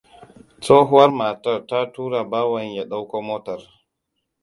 Tsohuwar matar ta tura bawan ya dauko motar.